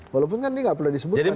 walaupun kan ini nggak pernah disebutkan